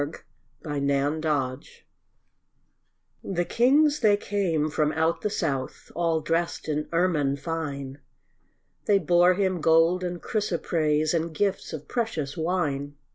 Christmas Carol The kings they came from out the south, All dressed in ermine fine, They bore Him gold and chrysoprase, And gifts of precious wine.